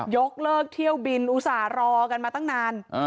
ยกเลิกเที่ยวบินอุตส่าห์รอกันมาตั้งนาน